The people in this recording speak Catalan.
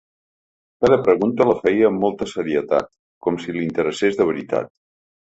Cada pregunta la feia amb molta serietat, com si li interessés de veritat.